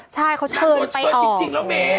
ใช่เขาเชิญไปก่อนนางโดนเชิญจริงแล้วแม่